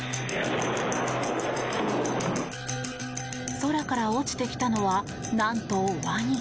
空から落ちてきたのはなんとワニ。